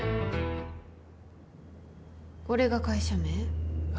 これが会社名？は